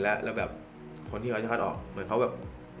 และแบบที่เขาขอดออกเขาแบบ